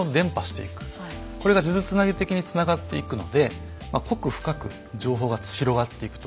これが数珠つなぎ的につながっていくので濃く深く情報が広がっていくと。